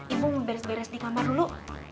ibu beres beres di kamar dulu